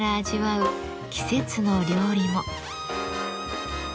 季節の料理も。